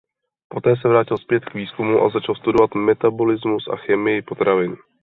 Poté se vrátil zpět k výzkumu a začal studovat metabolismus a chemii potravin.